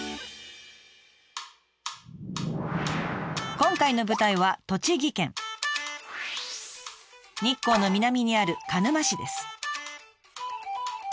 今回の舞台は栃木県日光の南にある鹿沼市です。